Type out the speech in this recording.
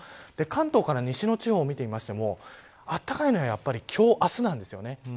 関東から西の地方を見てみても暖かいのはやはり今日、明日なんです。